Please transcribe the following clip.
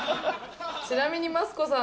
ちなみにマツコさん